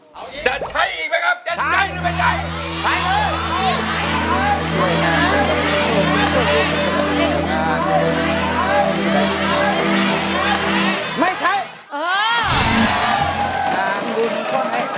เอาจะใช้อีกไหมครับจะใช้หรือไม่ใช้